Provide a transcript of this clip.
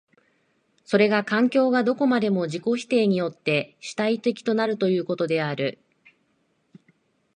それが環境がどこまでも自己否定によって主体的となるということである。